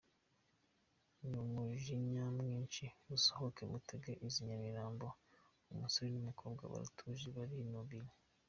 N’umujinya mwinshi “Musohoke mutege iz’i Nyamirambo !” umusore n’umukobwa baratuje barinumiye.